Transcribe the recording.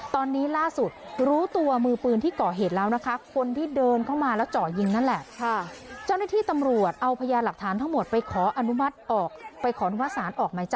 ตอนนี้ล่าสุดรู้ตัวมือปืนที่เกาะเหตุแล้วนะคะ